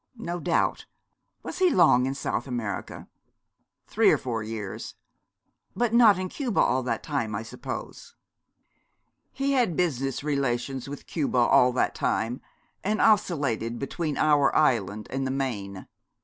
'No doubt! Was he long in South America?' 'Three or four years.' 'But not in Cuba all that time, I suppose?' 'He had business relations with Cuba all that time, and oscillated between our island and the main.